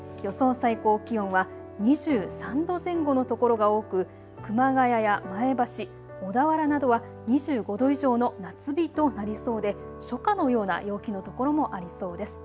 最高気温は２３度前後の所が多く熊谷や前橋、小田原などは２５度以上の夏日となりそうで初夏のような陽気のところもありそうです。